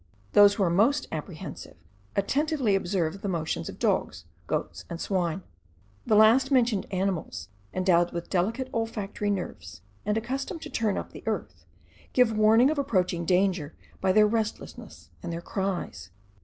Those who are most apprehensive attentively observe the motions of dogs, goats, and swine. The last mentioned animals, endowed with delicate olfactory nerves, and accustomed to turn up the earth, give warning of approaching danger by their restlessness and their cries.